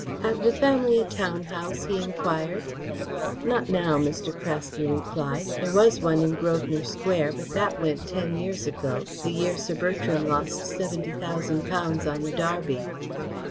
"Have the family a town house?" he enquired. "Not now," Mr. Craske replied. "There was one in Grosvenor Square, but that went ten years ago, the year Sir Bertram lost seventy thousand pounds on the Derby."